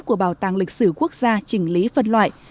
của bảo tàng lịch sử quốc gia chỉnh lý phân loại